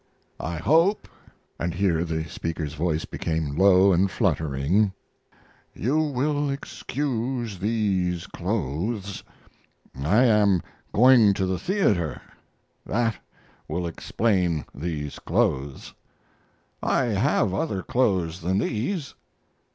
I hope [and here the speaker's voice became low and fluttering] you will excuse these clothes. I am going to the theater; that will explain these clothes. I have other clothes than these.